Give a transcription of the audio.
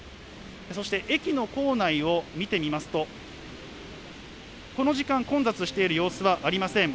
そして駅の構内を見てみますと、この時間、混雑している様子はありません。